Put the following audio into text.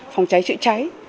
phòng cháy chữa cháy